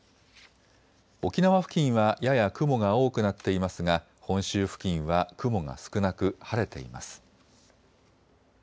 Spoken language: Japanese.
沖縄付近はやや雲が多くなっていますが本州付近は雲が少なく晴れています。